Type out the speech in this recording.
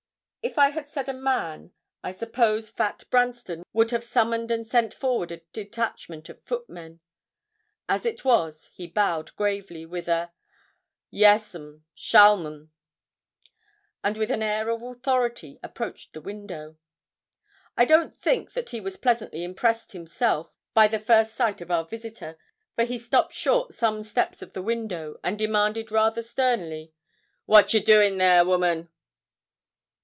If I had said a man, I suppose fat Branston would have summoned and sent forward a detachment of footmen. As it was, he bowed gravely, with a 'Yes, 'm shall, 'm.' And with an air of authority approached the window. I don't think that he was pleasantly impressed himself by the first sight of our visitor, for he stopped short some steps of the window, and demanded rather sternly 'What ye doin' there, woman?'